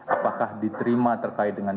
apakah diterima terkait dengan